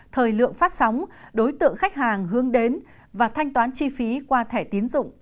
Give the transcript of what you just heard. thời lượng phát sóng đối tượng khách hàng hướng đến và thanh toán chi phí qua thẻ tiến dụng